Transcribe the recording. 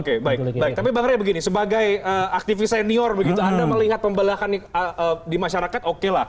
oke baik tapi sebenarnya begini sebagai aktivis senior anda melihat pembelahan di masyarakat oke lah